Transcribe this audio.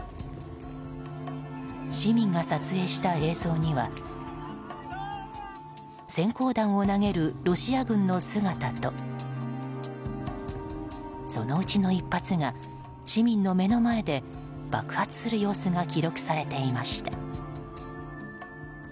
市民が撮影した映像には閃光弾を投げるロシア軍の姿とそのうちの１発が市民の目の前で爆発する様子が記録されていました。